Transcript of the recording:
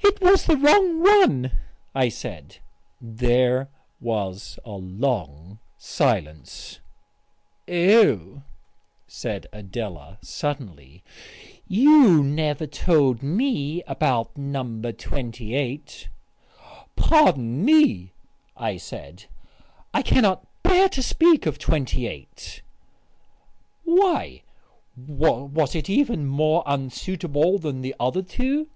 "It was the wrong one," I said.... There was a long silence. "Oh," said Adela suddenly, "you never told me about No. 28." "Pardon me," I said, "I cannot bear to speak of 28." "Why, was it even more unsuitable than the other two?"